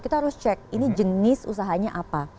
kita harus cek ini jenis usahanya apa